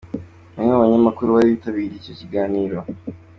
Bamwe mu banyamakuru bari bitabiriye icyo kiganiro.